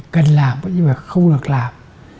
cần làm nhưng mà không được làm